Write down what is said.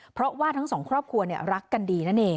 เพราะว่าทั้งสองครอบครัวรักกันดีนั่นเอง